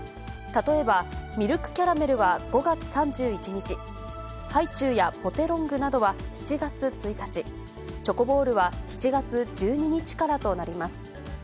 例えば、ミルクキャラメルは５月３１日、ハイチュウやポテロングなどは７月１日、チョコボールは７月１２日からとなります。